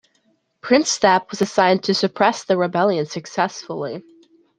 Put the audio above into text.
Prince Thap was assigned to suppress the rebellion, successfully.